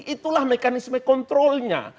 itulah mekanisme kontrolnya